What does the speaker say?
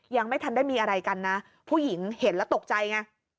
ยังไม่ทันได้มีอะไรกันนะผู้หญิงเห็นแล้วตกใจไง